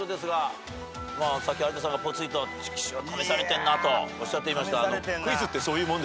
さっき有田さんがぽつりと「チキショー試されてんな」とおっしゃっていました。